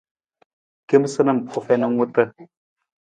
Kemasanam u fiin ng wuta.